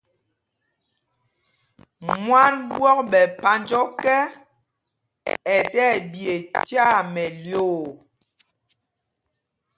Mwân ɓwɔ̄k ɓɛ̌ phānj ɔ́kɛ, ɛ tí ɛɓye tyaa mɛlyoo.